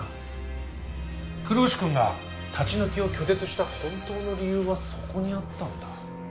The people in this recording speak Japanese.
黒丑君が立ち退きを拒絶した本当の理由はそこにあったんだ。